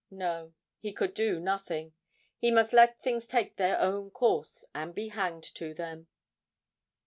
No, he could do nothing; he must let things take their own course and be hanged to them!